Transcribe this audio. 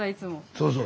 そうそう。